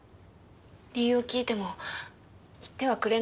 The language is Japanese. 理由を聞いても言ってはくれなくて。